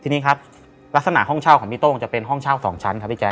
ทีนี้ครับลักษณะห้องเช่าของพี่โต้งจะเป็นห้องเช่าสองชั้นครับพี่แจ